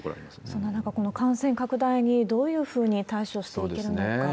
そんな中、感染拡大にどういうふうに対処していけるのか。